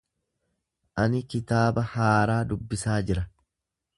Ani kitaaba haaraa dubbisaa jira.